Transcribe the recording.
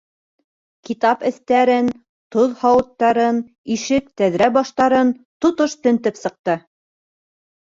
Китап эҫтәрен, тоҙ һауыттарын, ишек-тәҙрә баштарын тотош тентеп сыҡты.